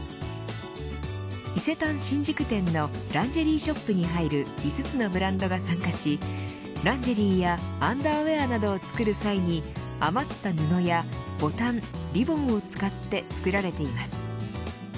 伊勢丹新宿店のランジェリーショップに入る５つのブランドが参加しランジェリーやアンダーウエアなどを作る際に余った布やボタンリボンを使って作られています。